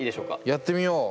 やってみよう！